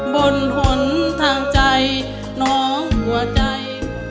บนหนทางใจน้องหัวใจ